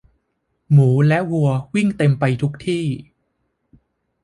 หมูและวัววิ่งเต็มไปทุกที่